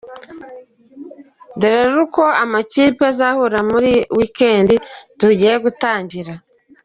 Dore rero uko amakipe azahura muri ino week-end tugiye gutangira.